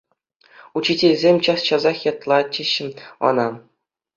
Учительсем час-часах ятлатчӗҫ ӑна.